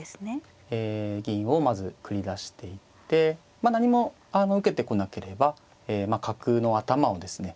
ええ銀をまず繰り出していってまあ何も受けてこなければ角の頭をですね